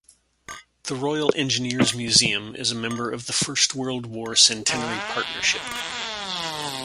The Royal Engineers Museum is a member of the First World War Centenary Partnership.